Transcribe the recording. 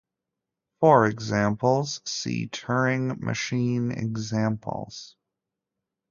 For examples see Turing machine examples.